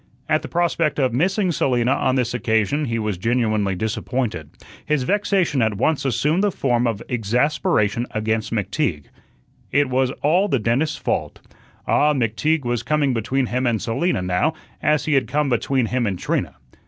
At the prospect of missing Selina on this occasion, he was genuinely disappointed. His vexation at once assumed the form of exasperation against McTeague. It was all the dentist's fault. Ah, McTeague was coming between him and Selina now as he had come between him and Trina.